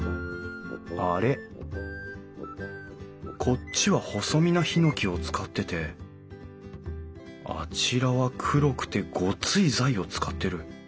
こっちは細身なヒノキを使っててあちらは黒くてゴツい材を使ってる。